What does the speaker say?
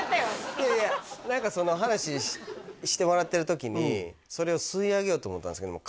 いやいや何かその話してもらってる時にそれを吸い上げようと思ったんですけども